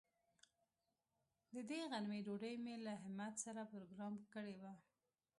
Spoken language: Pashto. د دې غرمې ډوډۍ مې له همت سره پروگرام کړې وه.